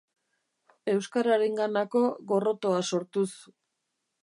Euskararenganako gorrotoa sortuz.